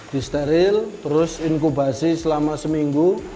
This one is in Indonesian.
di steril terus inkubasi selama seminggu